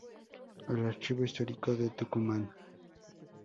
El Archivo Histórico de Tucumán.